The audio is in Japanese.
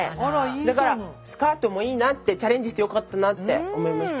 だからスカートもいいなってチャレンジしてよかったなって思いました。